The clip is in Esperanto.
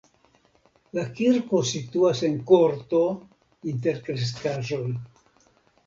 La kirko situas en korto inter kreskaĵoj.